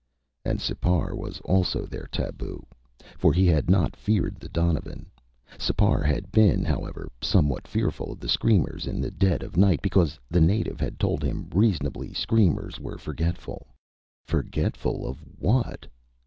And Sipar was also their taboo, for he had not feared the donovan. Sipar had been, however, somewhat fearful of the screamers in the dead of night because, the native had told him reasonably, screamers were forgetful. Forgetful of what!